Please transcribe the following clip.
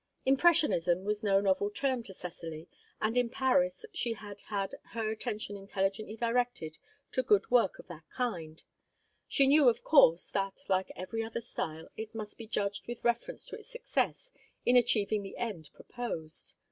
Impressionism was no novel term to Cecily, and in Paris she had had her attention intelligently directed to good work in that kind; she knew, of course, that, like every other style, it must be judged with reference to its success in achieving the end proposed.